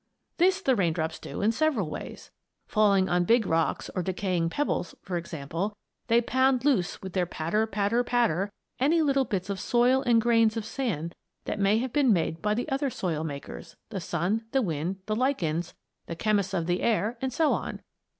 This the raindrops do in several ways. Falling on big rocks or decaying pebbles, for example, they pound loose with their patter, patter, patter, any little bits of soil and grains of sand that have been made by the other soil makers the sun, the wind, the lichens, the chemists of the air, and so on.